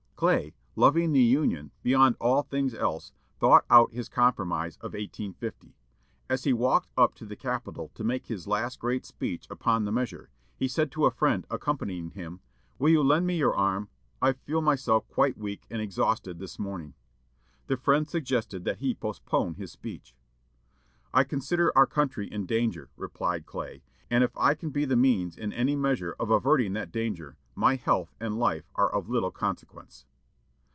Clay, loving the Union beyond all things else, thought out his compromise of 1850. As he walked up to the Capitol to make his last great speech upon the measure, he said to a friend accompanying him, "Will you lend me your arm? I feel myself quite weak and exhausted this morning." The friend suggested that he postpone his speech. "I consider our country in danger," replied Clay; "and if I can be the means in any measure of averting that danger, my health and life are of little consequence."